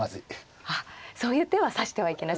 あっそういう手は指してはいけない。